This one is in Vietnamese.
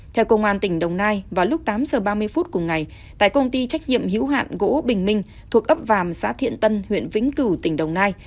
theo công an tỉnh đồng nai vào lúc tám giờ ba mươi phút cùng ngày tại công ty trách nhiệm hữu hạn gỗ bình minh thuộc ấp vàm xã thiện tân huyện vĩnh cửu tỉnh đồng nai